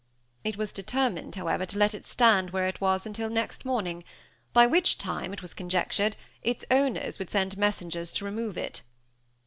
It was determined, however, to let it stand where it was until next morning, by which time, it was conjectured, its owners would send messengers to remove it.